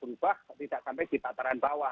berubah tidak sampai di tataran bawah